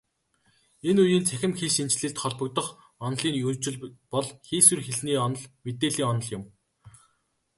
Энэ үеийн цахим хэлшинжлэлд холбогдох онолын хөгжил бол хийсвэр хэлний онол, мэдээллийн онол юм.